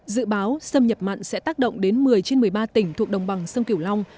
dự báo xâm nhập mặn sẽ tác động đến một mươi trên một mươi ba tỉnh thuộc đồng bằng sông kiểu long